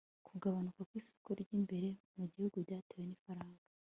kugabanuka kw'isoko ry'imbere mu gihugu byatewe n'ifaranga